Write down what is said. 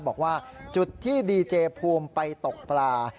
บอกว่าจุดที่ดีเจภูมิไปตกปลา